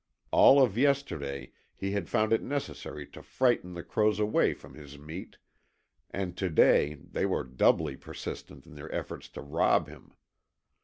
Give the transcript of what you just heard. All of yesterday he had found it necessary to frighten the crows away from his meat, and to day they were doubly persistent in their efforts to rob him.